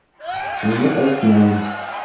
Уны әйтмәйем.